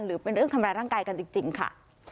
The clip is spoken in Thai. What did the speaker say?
หรือเป็นเรื่องทำร้ายร่างกายกันจริงค่ะ